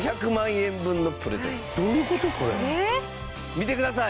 見てください！